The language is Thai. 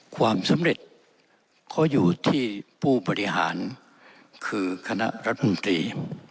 ความสำเร็จเขาอยู่ที่ผู้บริหารคือคณะรัฐมนตรี